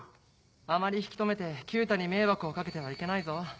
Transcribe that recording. あまり引き止めて九太に迷惑をかけてはいけないぞ。